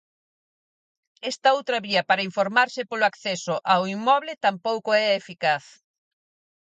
Esta outra vía para informarse polo acceso ao inmoble tampouco é eficaz.